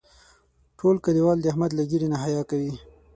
ټول کلیوال د احمد له ږیرې نه حیا کوي.